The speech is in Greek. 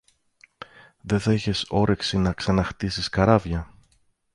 Δε θα είχες όρεξη να ξαναχτίσεις καράβια;